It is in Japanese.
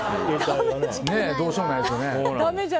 どうしようもないですよね。